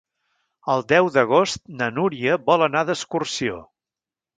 El deu d'agost na Núria vol anar d'excursió.